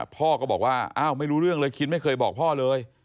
พ่อก็บอกว่าอ้าวไม่รู้เรื่องเลยคินไม่เคยบอกพ่อเลย